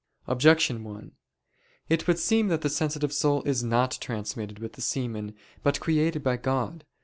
Objection 1: It would seem that the sensitive soul is not transmitted with the semen, but created by God.